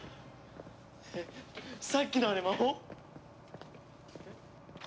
さっきのあれ魔法？